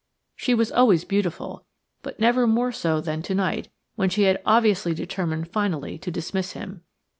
She was always beautiful, but never more so than to night when she had obviously determined finally to dismiss him.